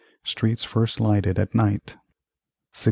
Streets first lighted at night 1699.